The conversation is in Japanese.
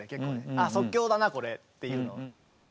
あっ即興だなこれっていうの。